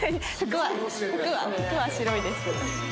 服は服は白いです。